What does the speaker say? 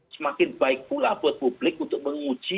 semakin baik pula buat publik untuk menguji